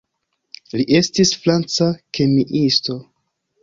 Li estis franca kemiisto.